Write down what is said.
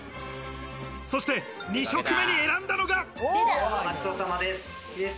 そして２食目に選んだのが。